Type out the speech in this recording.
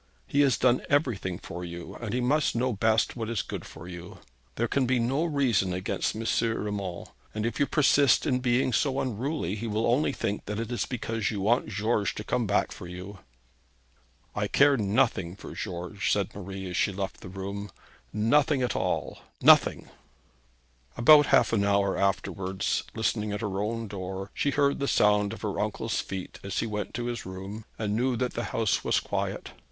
He has done everything for you, and he must know best what is good for you. There can be no reason against M. Urmand, and if you persist in being so unruly, he will only think that it is because you want George to come back for you.' 'I care nothing for George,' said Marie, as she left the room; 'nothing at all nothing.' About half an hour afterwards, listening at her own door, she heard the sound of her uncle's feet as he went to his room, and knew that the house was quiet.